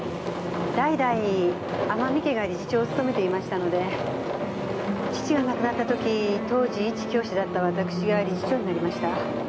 代々天海家が理事長を務めていましたので父が亡くなった時当時一教師だったわたくしが理事長になりました。